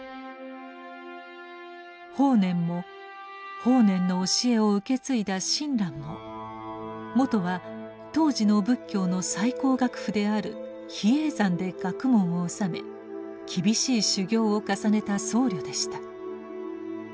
法然も法然の教えを受け継いだ親鸞ももとは当時の仏教の最高学府である比叡山で学問を修め厳しい修行を重ねた僧侶でした。